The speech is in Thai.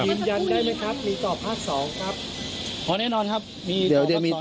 ยืนยันได้ไหมครับมีต่อภาพสองครับ